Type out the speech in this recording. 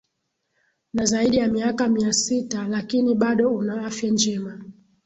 na zaidi ya miaka mia sita lakini bado una afya njema